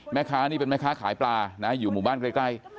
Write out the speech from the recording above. แม่ค้านี่เป็นแม่ค้าขายปลานะอยู่หมู่บ้านใกล้